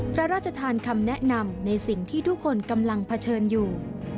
พระราชทานคำแนะนำในสิ่งที่ทุกคนกำลังเผชิญอยู่